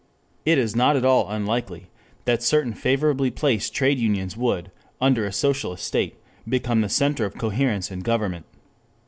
It is not at all unlikely that certain favorably placed trade unions would under a socialist state become the center of coherence and government.